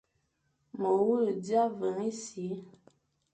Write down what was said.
Ma wule dia mveñ e si,